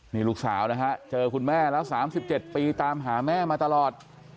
นี่ลูกสาวนะฮะเจอคุณแม่แล้ว๓๗ปีตามหาแม่มาตลอด